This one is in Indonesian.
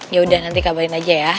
yaudah nanti kabarin aja ya